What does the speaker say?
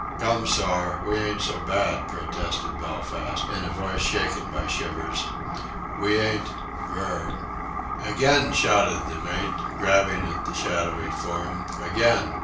"Come, sorr. We ain't so bad," protested Belfast, in a voice shaken by shivers; "we ain't... brr..." "Again," shouted the mate, grabbing at the shadowy form; "again!...